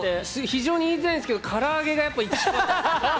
非常に言いづらいんですけど唐揚げがやっぱ一番。